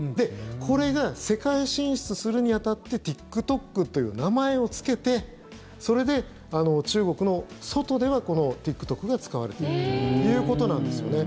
これが世界進出するに当たってＴｉｋＴｏｋという名前をつけてそれで、中国の外ではこのＴｉｋＴｏｋが使われているということなんですよね。